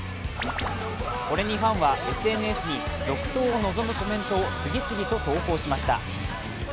これにファンは、ＳＮＳに続投を望むコメントを次々と投稿しました。